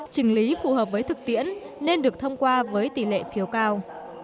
trình lý phù hợp với thực tiễn nên được thông qua với tỷ lệ phiếu cao